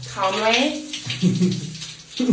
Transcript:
ขาวแล้วดู